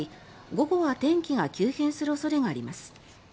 午後は天気が急変する恐れがあります。